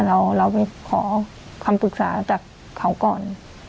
เราไปขอคำปรึกษาจากเขาก่อน